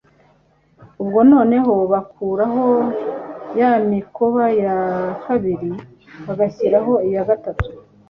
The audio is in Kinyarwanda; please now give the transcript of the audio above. Ubwo noneho bakuraho ya mikoba ya kabiri bagashyiraho iya gatatu